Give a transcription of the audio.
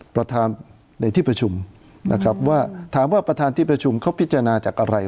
ประธานในที่ประชุมนะครับว่าถามว่าประธานที่ประชุมเขาพิจารณาจากอะไร